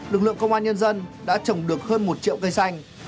lực lượng công an nhân dân đã trồng được hơn một triệu cây xanh